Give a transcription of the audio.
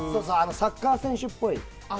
サッカー選手っぽい。